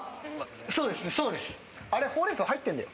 そうですね。